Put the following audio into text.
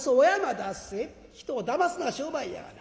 人をだますのが商売やがな。